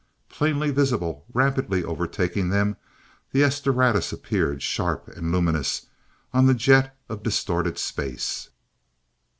Plainly visible, rapidly overtaking them, the "S Doradus" appeared sharp, and luminous on the jet of distorted space.